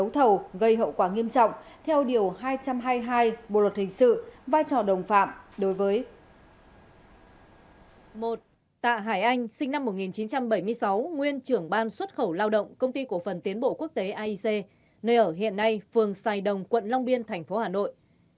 một tạ hải anh sinh năm một nghìn chín trăm bảy mươi sáu nguyên trưởng ban xuất khẩu lao động công ty cổ phần tiến bộ quốc tế aic nơi ở hiện nay phường sài đồng quận long biên thành phố hà nội